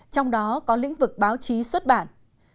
trong đó có lĩnh vực báo chí xuất bản